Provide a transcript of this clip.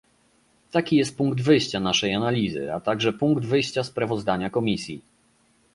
Taki jest punkt wyjścia naszej analizy, a także punkt wyjścia sprawozdania Komisji